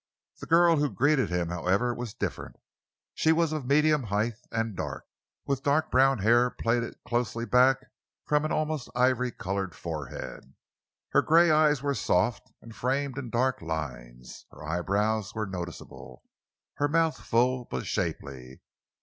The girl who greeted him, however, was different. She was of medium height and dark, with dark brown hair plaited close back from an almost ivory coloured forehead. Her grey eyes were soft and framed in dark lines. Her eyebrows were noticeable, her mouth full but shapely.